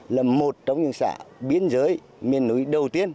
là một trong những xã biên giới miền núi đầu tiên